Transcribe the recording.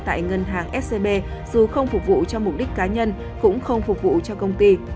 tại ngân hàng scb dù không phục vụ cho mục đích cá nhân cũng không phục vụ cho công ty